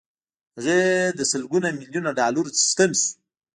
هغه د سلګونه ميليونه ډالرو څښتن شو.